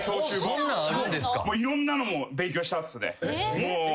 いろんなのも勉強したっすね。